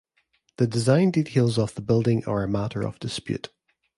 The design details of the building are a matter of dispute.